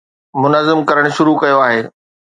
منظم ڪرڻ شروع ڪيو آهي.